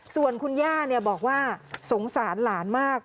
ส่วนคุณย่าบอกว่าสงสารหลานมาก